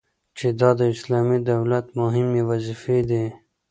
چي دا د اسلامي دولت مهمي وظيفي دي